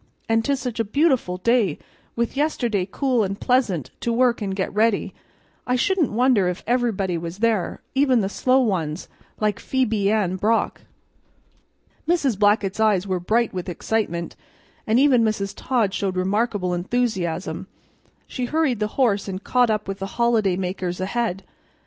An' 'tis such a beautiful day, with yesterday cool and pleasant to work an' get ready, I shouldn't wonder if everybody was there, even the slow ones like Phebe Ann Brock." Mrs. Blackett's eyes were bright with excitement, and even Mrs. Todd showed remarkable enthusiasm. She hurried the horse and caught up with the holiday makers ahead.